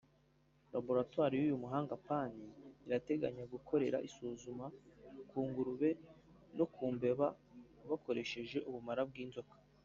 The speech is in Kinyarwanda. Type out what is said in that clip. Laboratoire y’uyu muhanga Pan irateganya gukorera isuzuma ku ngurube no ku mbeba bakoresheje ubumara bw’inzoka